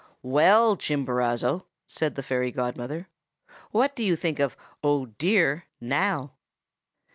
"'Well, Chimborazo,' said the fairy godmother, 'what do you think of "Oh, dear!" now?